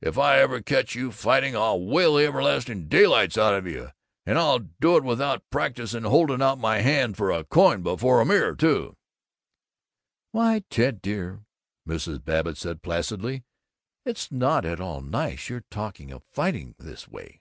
If I ever catch you fighting I'll whale the everlasting daylights out of you and I'll do it without practising holding out my hand for a coin before the mirror, too!" "Why, Ted dear," Mrs. Babbitt said placidly, "it's not at all nice, your talking of fighting this way!"